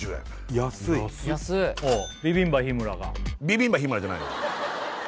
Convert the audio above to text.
・安い安いビビンバ日村がビビンバ日村じゃないよ